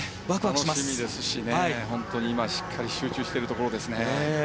楽しみですし、しっかり集中しているところですね。